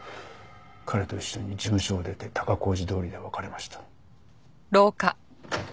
彼と一緒に事務所を出て高小路通りで別れました。